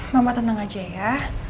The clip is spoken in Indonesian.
mama tenang aja ya